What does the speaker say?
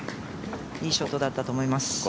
いいショットだったと思います。